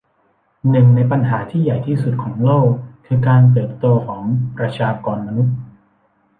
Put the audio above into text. หนึ่งในปัญหาที่ใหญ่ที่สุดของโลกคือการเติบโตของประชากรมนุษย์